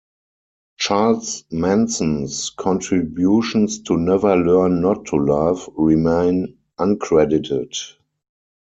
Charles Manson's contributions to "Never Learn Not to Love" remain uncredited.